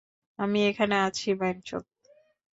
আমি এখানে আছি বাইনচোদ।